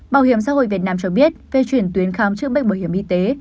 bảo hiểm xã hội việt nam cho biết về chuyển tuyến khám chữa bệnh bảo hiểm y tế